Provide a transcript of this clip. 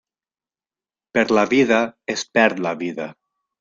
Per la vida es perd la vida.